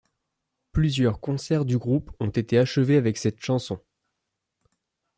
Plusieurs concerts du groupe ont été achevés avec cette chanson.